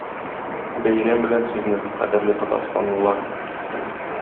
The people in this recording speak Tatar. Бәйрәм белән сезне, кадерле татарстанлылар!